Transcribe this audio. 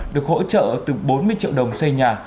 được hỗ trợ từ bốn mươi triệu đồng xây nhà